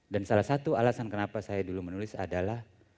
dan salah satu alasan kenapa saya dulu menulis adalah